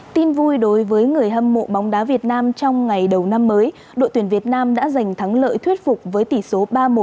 tin vui đối với người hâm mộ bóng đá việt nam trong ngày đầu năm mới đội tuyển việt nam đã giành thắng lợi thuyết phục với tỷ số ba một